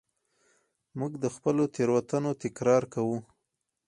موږ د خپلو تېروتنو تکرار کوو.